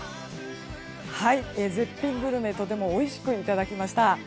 絶品グルメとてもおいしくいただきました。